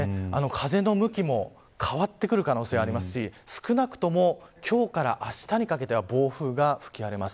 風の向きも変わってくる可能性もありますし少なくとも今日からあしたにかけては、暴風が吹き荒れます。